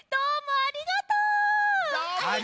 ありがとち！